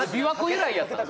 由来やったん？